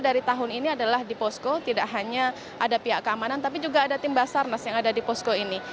dari tahun ini adalah di posko tidak hanya ada pihak keamanan tapi juga ada tim basarnas yang ada di posko ini